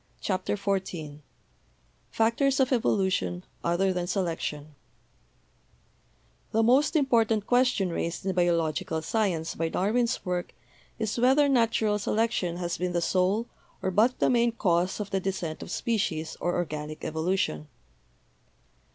CHAPTER XIV FACTORS OF EVOLUTION OTHER THAN SELECTION The most important question raised in biological sci ence by Darwin's work is whether natural selection has been the sole, or but the main, cause of the descent of species, or organic evolution.